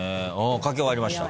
書き終わりました。